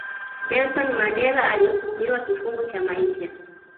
nelson mandela alihukumia kifungo cha maisha